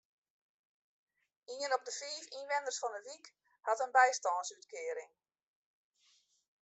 Ien op de fiif ynwenners fan de wyk hat in bystânsútkearing.